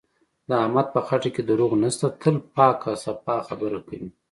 د احمد په خټه کې دروغ نشته، تل پاکه صفا خبره کوي.